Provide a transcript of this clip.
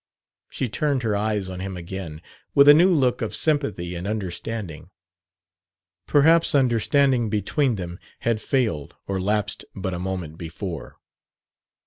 She turned her eyes on him again, with a new look of sympathy and understanding. Perhaps understanding between them had failed or lapsed but a moment before.